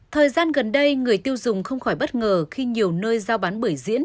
thời gian gần đây người tiêu dùng không khỏi bất ngờ khi nhiều nơi giao bán bưởi diễn